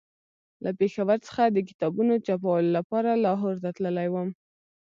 له پېښور څخه د کتابونو چاپولو لپاره لاهور ته تللی وم.